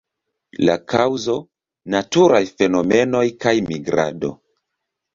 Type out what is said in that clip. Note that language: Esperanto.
La kaŭzo: naturaj fenomenoj kaj migrado.